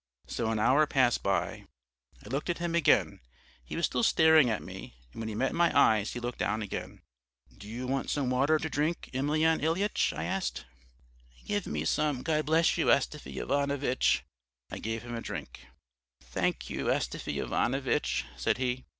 So an hour passed by. I looked at him again: he was still staring at me, and when he met my eyes he looked down again. "'Do you want some water to drink, Emelyan Ilyitch?' I asked. "'Give me some, God bless you, Astafy Ivanovitch.' "I gave him a drink. "'Thank you, Astafy Ivanovitch,' said he.